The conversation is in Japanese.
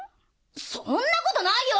そんなことないよ！